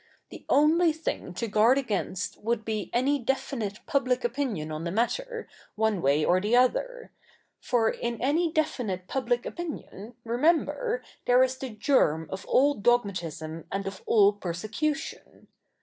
The only thing to guard against would be any definite public opinion on the matter, one way or the other ; for in any definite public opinion, remember, there is the germ of all dogmatism and of all persecution.